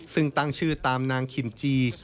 ซึ่งตั้งชื่อตามนางคินจี